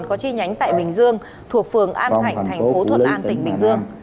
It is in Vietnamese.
có chi nhánh tại bình dương thuộc phường an thạnh thành phố thuận an tỉnh bình dương